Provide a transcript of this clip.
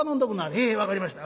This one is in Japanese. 「へえ分かりました。